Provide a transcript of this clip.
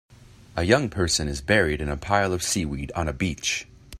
A young person is buried in a pile of seaweed on a beach.